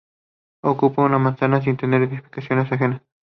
Ocupa una manzana sin tener edificaciones anejas.